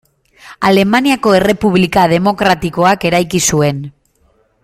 Alemaniako Errepublika demokratikoak eraiki zuen.